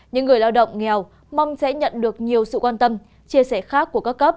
những người lao động nghèo mong sẽ nhận được nhiều sự quan tâm chia sẻ khác của các cấp